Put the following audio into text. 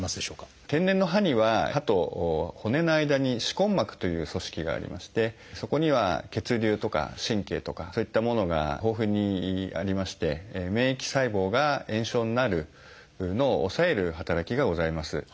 天然の歯には歯と骨の間に歯根膜という組織がありましてそこには血流とか神経とかそういったものが豊富にありまして免疫細胞が炎症になるのを抑える働きがございます。